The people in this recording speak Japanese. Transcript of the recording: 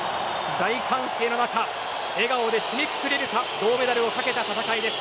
大歓声の中笑顔で締めくくれるか銅メダルをかけた戦いです。